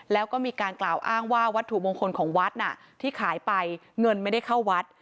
แล้วก็มีการกล่าวอ้างว่าวัตถุมงคลของวัดน่ะที่ขายไปเงินไม่ได้เข้าวัด